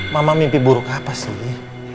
mama mimpi buruk apa sih